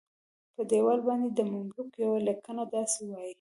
په دیوال باندې د مملوک یوه لیکنه داسې وایي.